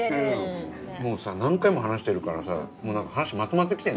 もうさ何回も話してるからさもう何か話まとまって来てんだよね。